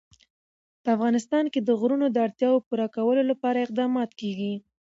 په افغانستان کې د غرونه د اړتیاوو پوره کولو لپاره اقدامات کېږي.